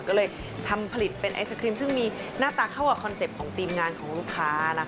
ก็เลยทำผลิตเป็นไอศครีมซึ่งมีหน้าตาเข้ากับคอนเซ็ปต์ของทีมงานของลูกค้านะคะ